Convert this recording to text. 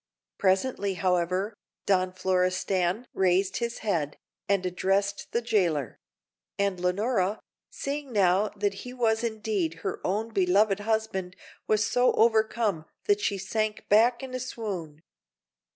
Presently, however, Don Florestan raised his head, and addressed the jailer; and Leonora, seeing now that he was indeed her own beloved husband, was so overcome that she sank back in a swoon.